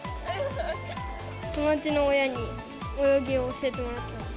友達の親に泳ぎを教えてもらった。